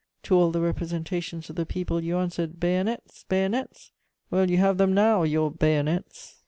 To all the representations of the people you answered, 'Bayonets! Bayonets!' Well, you have them now, your bayonets!"